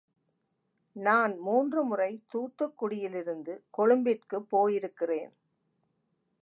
நான் மூன்று முறை தூத்துக்குடியிலிருந்து கொழும்பிற்குப் போயிருக்கிறேன்.